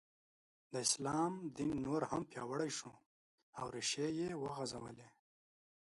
د اسلام دین نور هم پیاوړی شو او ریښې یې وځغلولې.